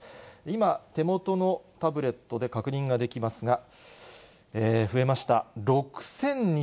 今、手元のタブレットで確認ができますが、増えました。